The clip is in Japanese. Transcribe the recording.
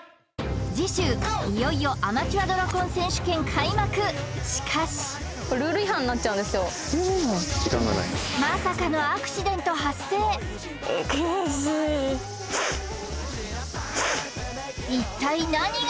次週いよいよアマチュアドラコン選手権開幕しかしまさかの悔しい一体何が？